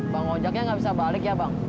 bang ojaknya gak bisa balik ya bang